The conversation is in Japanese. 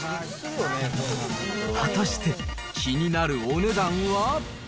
果たして、気になるお値段は。